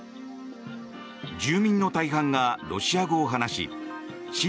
住民の大半がロシア語を話し親